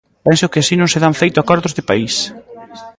Penso que así non se dan feito acordos de país.